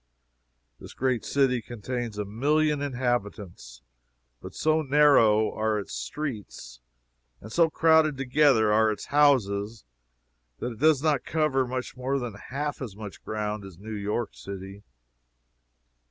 This great city contains a million inhabitants, but so narrow are its streets, and so crowded together are its houses, that it does not cover much more than half as much ground as New York City.